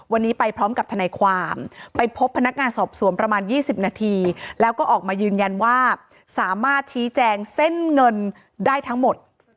วันนี้ไปพร้อมกับทนายความไปพบพนักงานสอบสวนประมาณ๒๐นาทีแล้วก็ออกมายืนยันว่าสามารถชี้แจงเส้นเงินได้ทั้งหมด